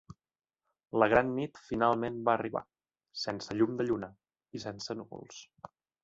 La gran nit finalment va arribar, sense llum de lluna i sense núvols.